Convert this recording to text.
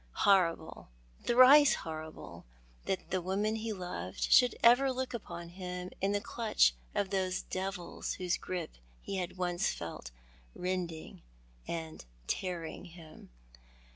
Horrible, thrice horrible, that the girl he loved should ever look upon him in the clutch of those devils whose grip he had once felt, rending and tearing him.